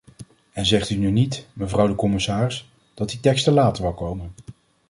En zegt u nu niet, mevrouw de commissaris, dat die teksten later wel komen.